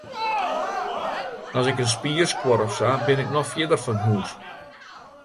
As ik in spier skuor of sa, bin ik noch fierder fan hûs.